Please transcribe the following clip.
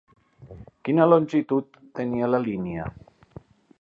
Quina longitud tenia la línia?